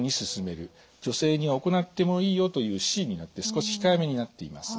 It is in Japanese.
女性には行ってもいいよというＣになって少し控えめになっています。